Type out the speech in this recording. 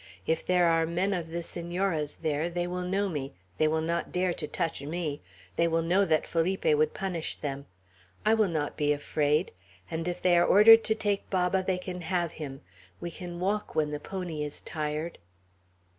If there are men of the Senora's there, they will know me; they will not dare to touch me. They will know that Felipe would punish them. I will not be afraid. And if they are ordered to take Baba, they can have him; we can walk when the pony is tired."